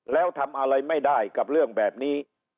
แล้วทำอะไรไม่ได้กับเรื่องแบบนี้